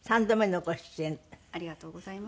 ありがとうございます。